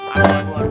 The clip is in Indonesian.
aduh aduh aduh